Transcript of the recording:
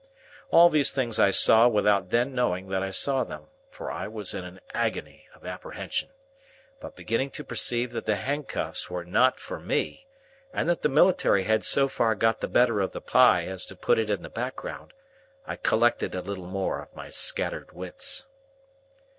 All these things I saw without then knowing that I saw them, for I was in an agony of apprehension. But beginning to perceive that the handcuffs were not for me, and that the military had so far got the better of the pie as to put it in the background, I collected a little more of my scattered wits.